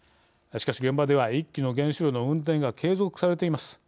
しかし現場では１基の原子炉の運転が継続されています。